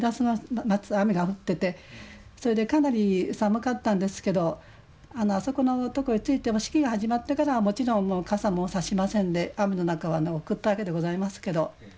夏雨が降っててそれでかなり寒かったんですけどあそこのとこへ着いても式が始まってからはもちろん傘もさしませんで雨の中を送ったわけでございますけど。